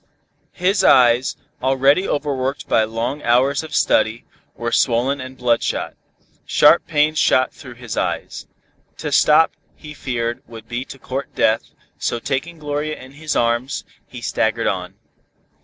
His eyes, already overworked by long hours of study, were swollen and bloodshot. Sharp pains shot through his head. To stop he feared would be to court death, so taking Gloria in his arms, he staggered on.